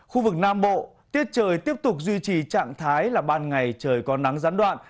khu vực nam bộ tiết trời tiếp tục duy trì trạng thái là ban ngày trời có nắng gián đoạn